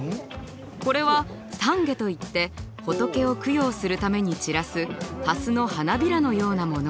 これは散華といって仏を供養するために散らすはすの花びらのようなもの。